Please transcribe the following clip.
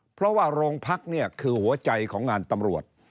เพราะว่าโรงพักเนี่ยคือหัวใจของงานตำรวจ